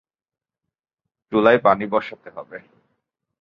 চুলায় পানি বসাতে হবে।